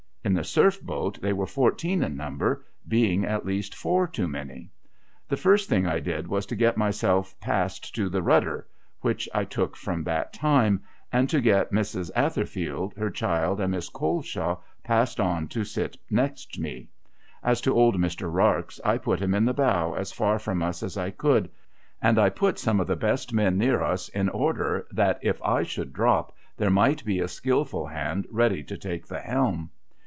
In the Surf boat thuy were fourteen in number, being at least four too many. The first thing I did, was to get myself passed to the ON SHORT ALLOWANCE 129 rudder — which I took from that time — and to get Mrs. Atherfield, her child, and Miss Coleshaw, passed on to sit next me. As to old Mr. Rarx, I put him in the bow, as far from us as I could. And I put some of the best men near us in order that if I should drop there might be a skilful hand ready to take the helm.